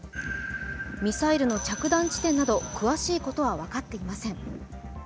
ミサイルの着弾地点など詳しいことは分かっていません。